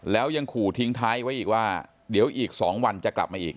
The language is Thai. แล้วยังขู่ทิ้งท้ายไว้อีกว่าเดี๋ยวอีก๒วันจะกลับมาอีก